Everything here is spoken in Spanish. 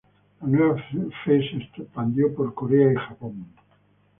La nueva fe se expandió por Corea y Japón.